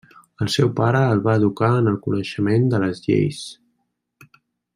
El seu pare el va educar en el coneixement de les lleis.